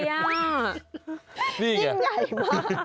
ยิ่งใหญ่มาก